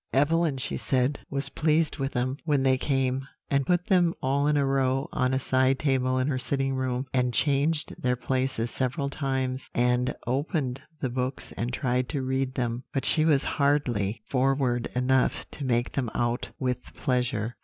"Evelyn, she said, was pleased with them when they came, and put them all in a row on a side table in her sitting room, and changed their places several times, and opened the books and tried to read them; but she was hardly forward enough to make them out with pleasure.